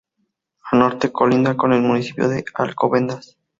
Al norte colinda con el municipio de Alcobendas.